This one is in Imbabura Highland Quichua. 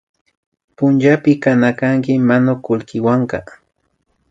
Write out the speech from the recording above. Punllapimi kana kanki manukulkiwanka